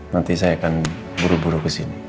nanti saya akan buru buru ke sini